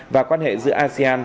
và quan hệ giữa asean